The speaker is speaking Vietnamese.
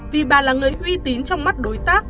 vì bà là người uy tín trong mắt đối tác